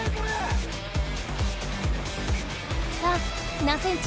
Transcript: さあ何センチ？